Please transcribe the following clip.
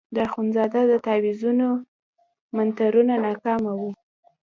د اخندزاده د تاویزونو منترونه ناکامه وو.